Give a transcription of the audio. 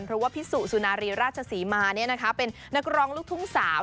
เพราะว่าพี่สุสุนารีราชศรีมาเป็นนักร้องลูกทุ่งสาว